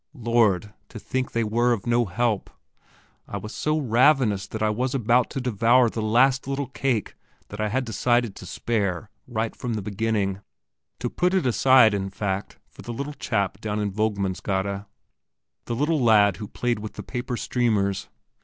Lord, to think they were of no help! I was so ravenous that I was even about to devour the last little cake that I had decided to spare, right from the beginning, to put it aside, in fact, for the little chap down in Vognmandsgade the little lad who played with the paper streamers.